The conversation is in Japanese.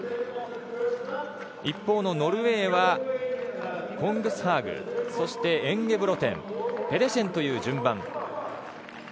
一方のノルウェーはコングスハーグそしてエンゲブロテンペデシェンという順番。